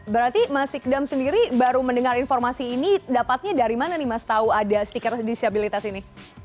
berarti mas sikdam sendiri baru mendengar informasi ini dapatnya dari mana nih mas tahu ada stiker disabilitas ini